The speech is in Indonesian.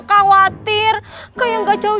khawatir kayak gak jauh